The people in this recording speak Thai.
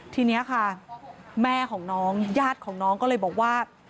ทีนี้ค่ะแม่ของน้องญาติของน้องก็เลยบอกว่า